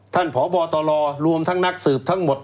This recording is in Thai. ท่านผอบตลอร์รวมทั้งนักสืบทั้งหมด